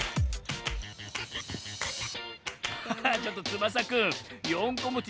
ハハッちょっとつばさくん４こもち